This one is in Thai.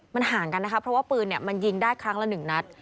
มันห่างกันนะคะเพราะว่าปืนมันยิงได้ครั้งละ๑นัด